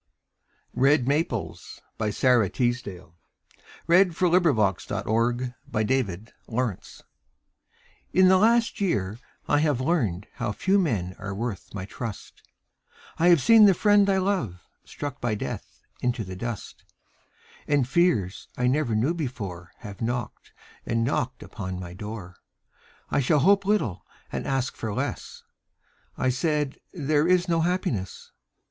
keep me from the peace of those Who are not lonely, having died. Red Maples In the last year I have learned How few men are worth my trust; I have seen the friend I loved Struck by death into the dust, And fears I never knew before Have knocked and knocked upon my door "I shall hope little and ask for less," I said, "There is no happiness."